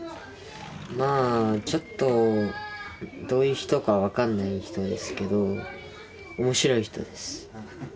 まあちょっとどういう人か分かんない人ですけど面白い人です。